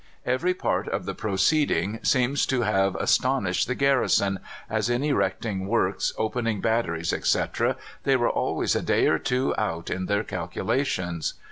Every part of the proceeding seems to have astonished the garrison, as in erecting works, opening batteries, etc., they were always a day or two out in their calculations.